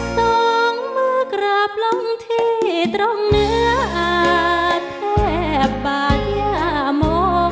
สองมือกราบล้องที่ตรงเนื้อแทบบาทยาโม